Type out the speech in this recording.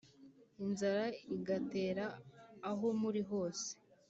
inzara igatera aho muri hose,